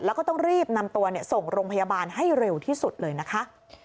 แล้วก็ต้องรีบนำตัวส่งโรงพยาบาลให้เร็วที่สุดเลยนะคะ